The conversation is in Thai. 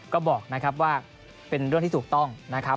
ก็บอกนะครับว่าเป็นเรื่องที่ถูกต้องนะครับ